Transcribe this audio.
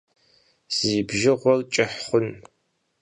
Zi bjığuer ç'ıh xhun!